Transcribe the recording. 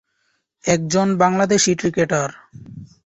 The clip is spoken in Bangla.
একজন বাংলাদেশী ক্রিকেটার।